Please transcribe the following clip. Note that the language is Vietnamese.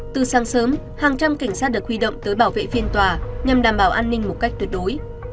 từ sáng sớm hàng trăm cảnh sát được huy động tới bảo vệ phiên tòa nhằm đảm bảo an ninh một cách tuyệt đối